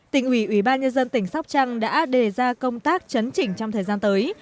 tỉnh ubnd tỉnh sóc trăng đã đề ra công tác chấn chỉnh trong thời gian tới